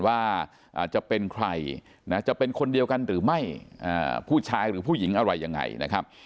ว่าจะเป็นใครนะจะเป็นคนเดียวกันหรือไม่ผู้ชายหรือผู้หญิงอะไรยังไงนะครับ